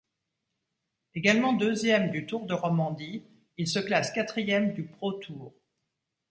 Également deuxième du Tour de Romandie, il se classe quatrième du ProTour.